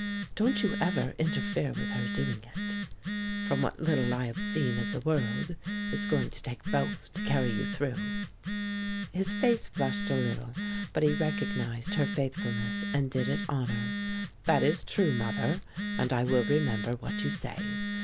Don't you ever interfere with her doing it. From what little I have seen of the world, it's going to take both to carry you through." His face flushed a little, but he recognized her faithfulness and did it honor. "That is true, mother, and I will remember what you say.